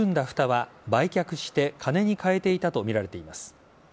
ふたは売却して金に換えていたとみられています。